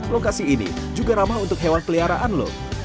lokasi ini juga ramah untuk hewan peliharaan lho